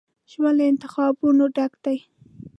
ژوند له انتخابونو ډک دی.